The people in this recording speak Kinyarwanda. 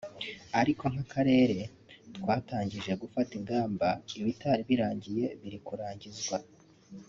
ariko nk’Akarere twarangije gufata ingamba ibitari birangiye biri kurangizwa